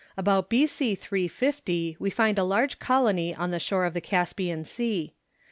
About b.c. 350 we find a large colony on the shore of the Caspian Sea.